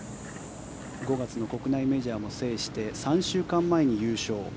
５月の国内メジャーも制して３週間前に優勝。